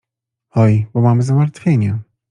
— Oj, bo mam zmartwienie.